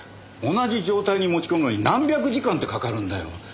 同じ状態に持ち込むのに何百時間ってかかるんだよ。